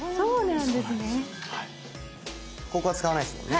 ここは使わないですもんね。